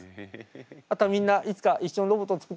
あとはみんないつか一緒にロボットを作って。